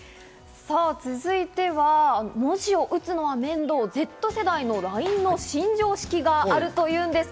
続いては、文字を打つのは面倒、Ｚ世代のＬＩＮＥの新常識があるというんです。